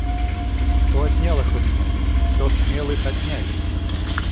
Кто отнял их у меня, кто смел их отнять!